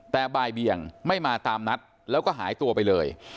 แต่บ่ายเบียงไม่มาตามนัดแล้วก็หายตัวไปเลย